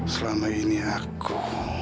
selama ini aku